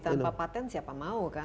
tanpa patent siapa mau kan